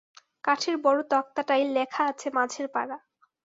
কাঠের বড় তক্তাটায় লেখা আছে মাঝেরপাড়া।